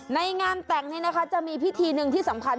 ในงานแต่งนี้นะคะจะมีพิธีหนึ่งที่สำคัญ